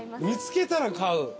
見つけたら買う？